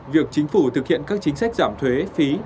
việc chính phủ thực hiện các chính sách giảm thuế phí